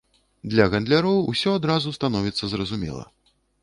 Для гандляроў усё адразу становіцца зразумела.